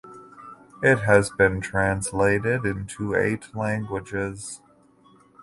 It has been translated into eight languages.